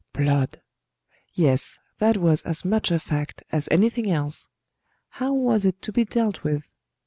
Blood! Yes; that was as much a fact as anything else. How was it to be dealt with?